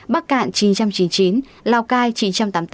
bắc cạn chín trăm chín mươi chín lào cai chín trăm tám mươi tám